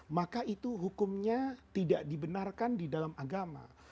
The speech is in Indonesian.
maka itu hukumnya tidak dibenarkan di dalam agama